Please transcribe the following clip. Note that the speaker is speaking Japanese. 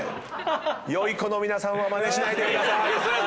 良い子の皆さんはまねしないでください。